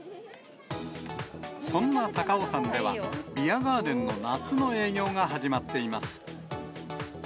そんな高尾山では、ビアガーデンの夏の営業が始まっています。